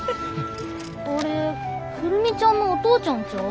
あれ久留美ちゃんのお父ちゃんちゃう？